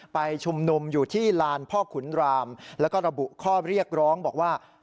ไปชุมนุมอยู่ที่ลานพ่อขุนรามแล้วก็ระบุข้อเรียกร้องบอกว่า